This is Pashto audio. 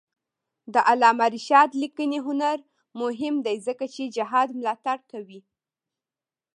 د علامه رشاد لیکنی هنر مهم دی ځکه چې جهاد ملاتړ کوي.